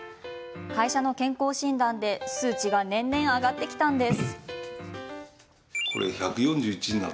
会社の健康診断で数値が年々上がってきたんです。